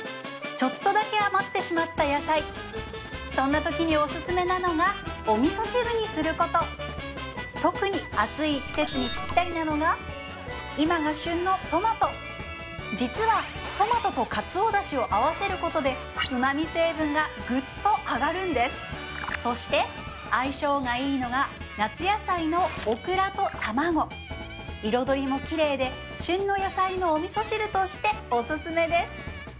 ちょっとだけ余ってしまった野菜そんなときにおすすめなのがお味噌汁にすること特に暑い季節にぴったりなのが今が旬のトマト実はトマトとかつおだしを合わせることで旨味成分がぐっと上がるんですそして相性がいいのが夏野菜のオクラと卵彩りもきれいで旬の野菜のお味噌汁としておすすめです